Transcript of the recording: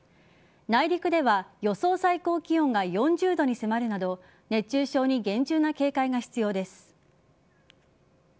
内陸では予想最高気温が４０度に迫るなど熱中症に厳重な警戒が必要です。